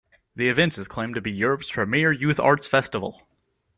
The event is claimed to be Europe's premier youth arts festival.